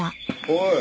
おい。